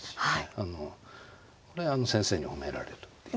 あのこれ先生に褒められるっていう。